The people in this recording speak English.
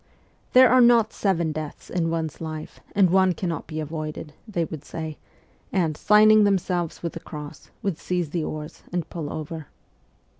' There are not seven deaths in one's life, and one cannot be avoided,' they would say, and, signing themselves with the cross, would seize the oars and pull over.